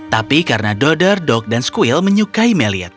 tapi karena dodder dog dan squill menyukai meliath